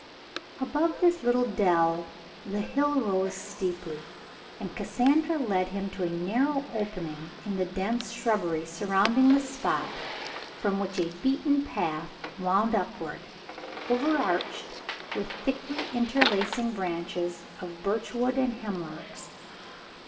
Above this little dell the hill rose steeply, and Cassandra led him to a narrow opening in the dense shrubbery sur rounding the spot from which a beaten path wound up ward, overarched with thickly interlacing branches of birch wood and hemlocks.